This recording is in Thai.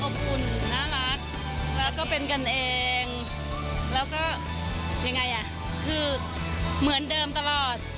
อุ่นน่ารักแล้วก็เป็นกันเองแล้วก็ยังไงอ่ะคือเหมือนเดิมตลอด